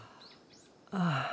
ああ！